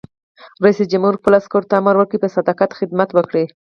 رئیس جمهور خپلو عسکرو ته امر وکړ؛ په صداقت خدمت وکړئ!